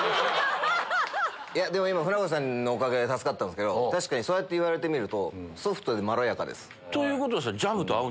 今船越さんのおかげで助かったんですけど確かにそうやって言われてみるとソフトでまろやかです。